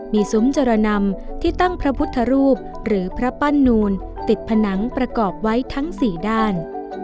มีซุ้มจรนำที่ตั้งพระพุทธรูปหรือพระปั้นนูนติดผนังประกอบไว้ทั้ง๔ด้าน